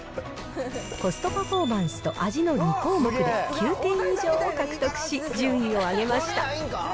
コストパフォーマンスと味の２項目で９点以上を獲得し、順位を上げました。